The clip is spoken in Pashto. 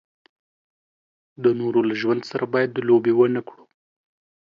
د نورو له ژوند سره باید لوبې و نه کړو.